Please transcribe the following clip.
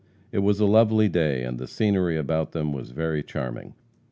It was a lovely day, and the scenery about them was very charming.